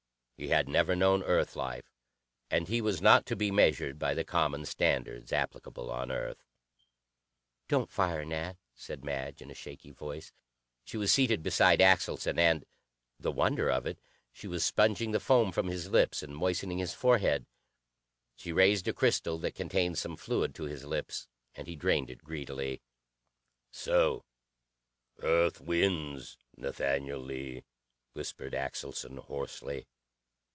He had never known Earth life, and he was not to be measured by the common standards applicable on Earth. "Don't fire, Nat," said Madge in a shaky voice. She was seated beside Axelson, and the wonder of it she was sponging the foam from his lips and moistening his forehead. She raised a crystal that contained some fluid to his lips, and he drained it greedily. "So Earth wins, Nathaniel Lee," whispered Axelson hoarsely.